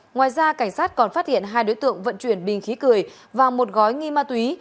ngoài ra cảnh sát còn phát hiện hai đối tượng vận chuyển bình khí cười và một gói nghi ma túy